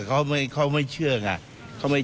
ก็เผริญออกไปเผริญเผิน